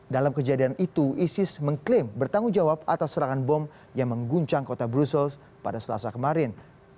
dalam kejadian itu isis mengklaim bertanggung jawab atas serangan bom yang mengguncang kota brussels pada selasa kemarin